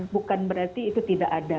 bukan berarti itu tidak ada